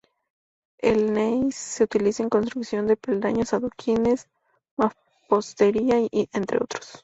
El gneis se utiliza en construcción de peldaños, adoquines, mampostería, entre otros